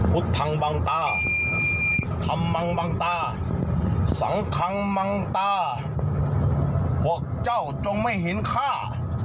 พุทธพังบางตาธรรมมังบางตาสังคังมังตาพวกเจ้าจงไม่เห็นค่า